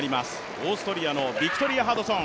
オーストリアのビクトリア・ハドソン。